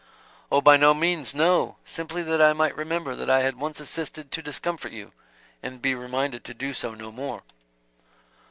"Oh, by no means, no! Simply that I might remember that I had once assisted to discomfort you, and be reminded to do so no more."